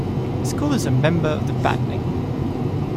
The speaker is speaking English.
The school is a member of the Battening.